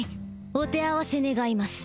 お手合わせ願います